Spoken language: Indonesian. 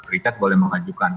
richard boleh mengajukan